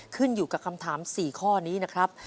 ขึ้นอยู่กับคำถาม๔ข้อนี้นะครับ